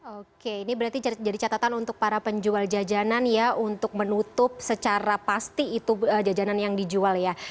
oke ini berarti jadi catatan untuk para penjual jajanan ya untuk menutup secara pasti itu jajanan yang dijual ya